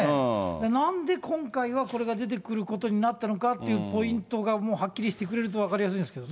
なんで今回はこれが出てくることになったのかっていうポイントが、もうはっきりしてくれると分かりやすいんですけどね。